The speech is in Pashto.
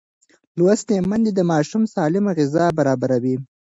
لوستې میندې د ماشوم سالمه غذا برابروي.